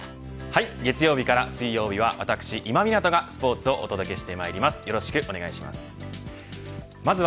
月曜日から水曜日は私今湊がスポーツをお届けして参ります。